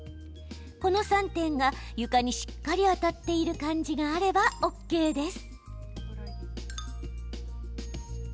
この３点が床にしっかり当たっている感じがあればＯＫです。